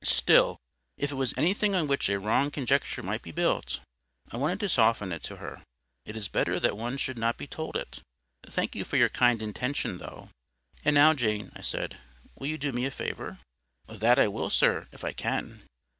"Still, if it was anything on which a wrong conjecture might be built"—I wanted to soften it to her—"it is better that one should not be told it. Thank you for your kind intention, though. And now, Jane," I said, "will you do me a favour?" "That I will, sir, if I can."